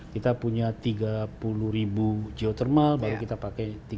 kita punya tiga puluh ribu geotermal baru kita pakai tiga ribu empat ribu